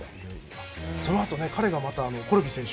そのあと彼がまたコルビ選手